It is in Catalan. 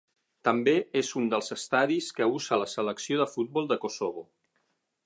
També és un dels estadis que usa la Selecció de futbol de Kosovo.